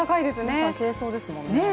皆さん、軽装ですもんね。